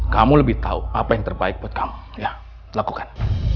kamu lebih tahu apa yang terbaik buat kamu lakukan